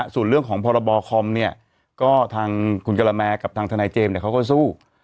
ส่วนเรื่องของพรบคอมเนี่ยก็ทางคุณกะละแมกับทางทนายเจมส์เขาก็สู้